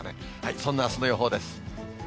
そんなあすの予報です。